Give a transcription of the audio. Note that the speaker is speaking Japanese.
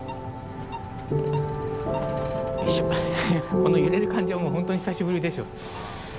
この揺れる感じはほんとに久しぶりでしょ。